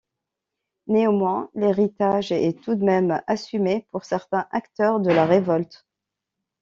Néanmoins, l’héritage est tout de même assumé pour certains acteurs de la révolte.